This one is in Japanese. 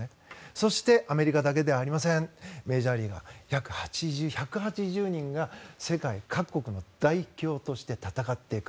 そして、アメリカだけではなくメジャーリーガー約１８０人が世界各国の代表として戦っていく。